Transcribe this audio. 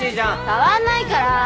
変わんないから！